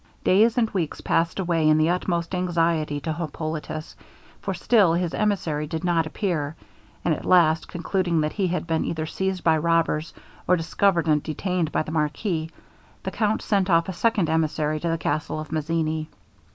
Days and weeks passed away in the utmost anxiety to Hippolitus, for still his emissary did not appear; and at last, concluding that he had been either seized by robbers, or discovered and detained by the marquis, the Count sent off a second emissary to the castle of Mazzini.